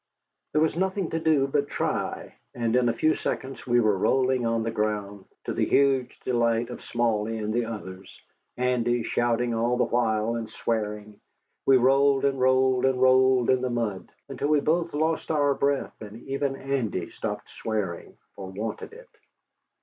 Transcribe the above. There was nothing to do but try, and in a few seconds we were rolling on the ground, to the huge delight of Smally and the others, Andy shouting all the while and swearing. We rolled and rolled and rolled in the mud, until we both lost our breath, and even Andy stopped swearing, for want of it.